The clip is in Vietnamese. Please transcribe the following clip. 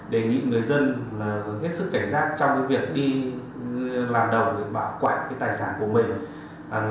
đề nghị người dân hết sức cảnh giác trong việc đi làm đồng bảo quản tài sản của mình